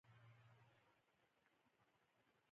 هغه پېښور ته پر شا تللو ته مجبور شو.